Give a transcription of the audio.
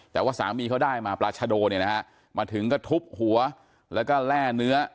แต่ว่าสามีเขาได้มาปราชโดเนี่ยนะฮะมาถึงก็ทุบหัวแล้วก็แร่เนื้อ